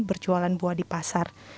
berjualan buah di pasar